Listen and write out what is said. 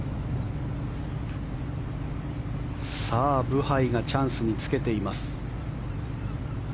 ブハイがチャンスにつけています。